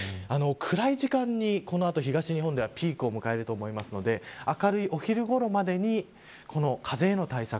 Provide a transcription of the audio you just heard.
暗い時間に、この後、東日本ではピークを迎えると思うので明るい、お昼ごろまでにこの、風への対策